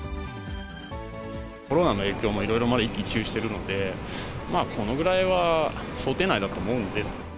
コロナの影響もいろいろ一喜一憂してるので、まあ、このぐらいは想定内だと思うんですけど。